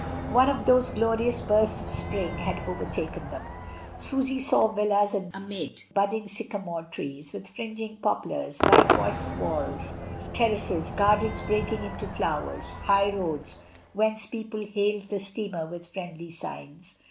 One of those glorious bursts of spring had overtaken them. Susy saw villas amid budding sycamore trees, with fringing poplars, whitewashed walls, terraces, gardens breaking into flower, high roads, whence people hailed the steamer with friendly signs.